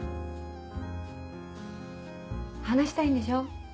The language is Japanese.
話したいんでしょ？